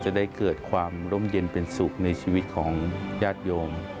จะได้เกิดความร่มเย็นเป็นสุขในชีวิตของญาติโยม